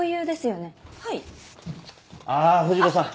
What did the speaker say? ああ藤子さん